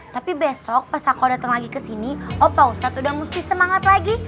tapi besok pas aku datang lagi ke sini opa ustadz udah mesti semangat lagi